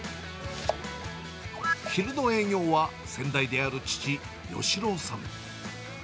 昼の営業は、先代である父、義郎さん。